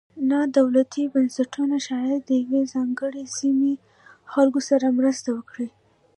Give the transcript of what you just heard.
نا دولتي بنسټونه شاید د یوې ځانګړې سیمې خلکو سره مرسته وکړي.